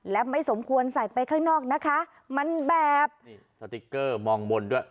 และไม่สมควรใส่ไปข้างนอกนะคะมันแบบนี่สติ๊กเกอร์มองบนด้วย